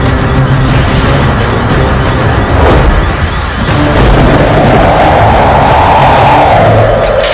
aku bisa yang luas